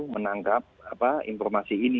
menangkap informasi ini